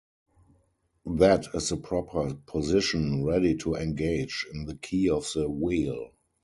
That is the proper position ready to engage in the key of the wheel.